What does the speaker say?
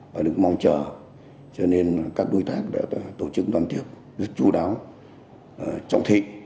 và được mong chờ cho nên các đối tác đã tổ chức toàn thiệp rất chú đáo trọng thị